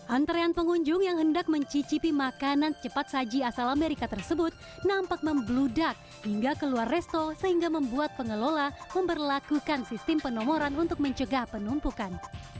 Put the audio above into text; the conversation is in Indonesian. antrean pengunjung yang hendak mencicipi makanan cepat saji asal amerika tersebut nampak membludak hingga keluar resto sehingga membuat pengelola memperlakukan sistem penomoran untuk mencegah penumpukan